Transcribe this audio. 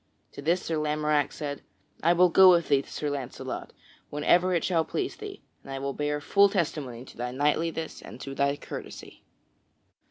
To this Sir Lamorack said: "I will go with thee to Sir Launcelot whenever it shall please thee; and I will bear full testimony to thy knightliness and to thy courtesy."